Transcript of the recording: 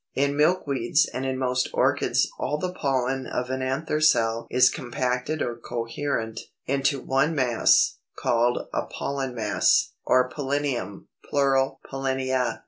In Milkweeds and in most Orchids all the pollen of an anther cell is compacted or coherent into one mass, called a Pollen mass, or POLLINIUM, plural POLLINIA.